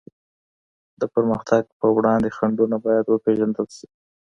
د پرمختګ په وړاندي خنډونه بايد وپېژندل سي.